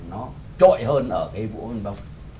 nó trội hơn ở cái vũ văn bông